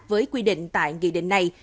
với quy định tại nghị định này